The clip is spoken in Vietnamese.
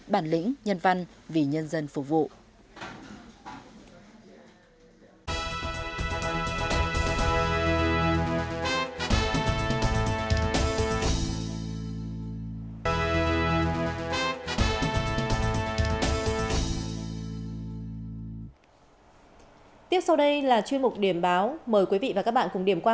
bản lĩnh nhân văn vì nhân dân phục vụ